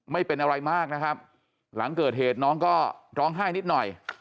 ไม่เป็นอะไรมากนะครับหลังเกิดเหตุน้องก็ร้องไห้นิดหน่อย